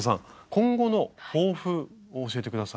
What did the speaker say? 今後の抱負を教えて下さい。